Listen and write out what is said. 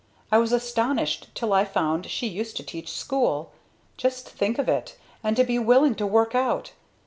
I was astonished till I found she used to teach school. Just think of it! And to be willing to work out!